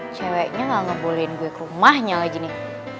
ceweknya gak ngebolehin gue ke rumahnya lagi nih